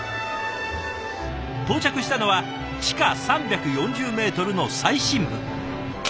到着したのは地下３４０メートルの最深部。